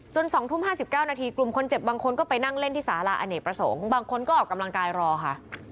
๒ทุ่ม๕๙นาทีกลุ่มคนเจ็บบางคนก็ไปนั่งเล่นที่สาระอเนกประสงค์บางคนก็ออกกำลังกายรอค่ะ